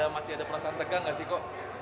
masih ada perasaan tegang nggak sih kok